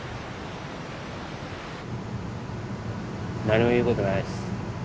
何も言うことないです。